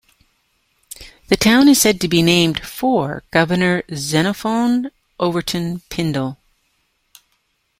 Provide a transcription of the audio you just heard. The town is said to be named for Governor Xenophon Overton Pindall.